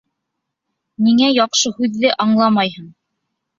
Ниңә яҡшы һүҙҙе аңламайһың?